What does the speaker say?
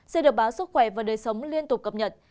sẽ được báo sức khỏe và đời sống liên tục cập nhật